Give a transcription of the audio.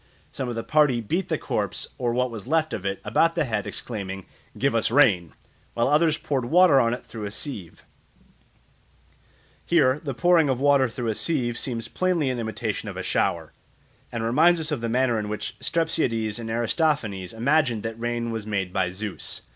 Some of the party beat the corpse, or what was left of it, about the head, exclaiming, "Give us rain!" while others poured water on it through a sieve. Here the pouring of water through a sieve seems plainly an imitation of a shower, and reminds us of the manner in which Strepsiades in Aristophanes imagined that rain was made by Zeus.